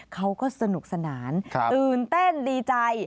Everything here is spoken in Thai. เขาก็สนุกสนานตื่นเต้นดีใจ